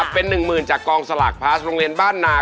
เป็นหนึ่งหมื่นจากกองสลากพลัสโรงเรียนบ้านนา